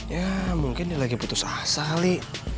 ya mungkin dia lagi putus asa ali